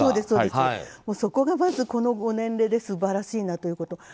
そこがまず、このご年齢で素晴らしいなということ。